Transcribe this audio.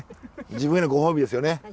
自分へのご褒美ですよね。